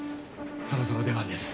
そろそろ出番です。